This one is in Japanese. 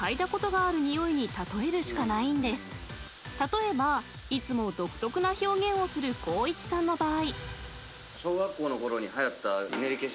［例えばいつも独特な表現をする光一さんの場合］